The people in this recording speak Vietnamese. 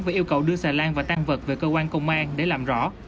và yêu cầu đưa xà lan và tan vật về cơ quan công an để làm rõ